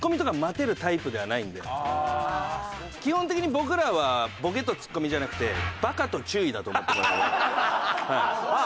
基本的に僕らはボケとツッコミじゃなくてバカと注意だと思ってもらえれば。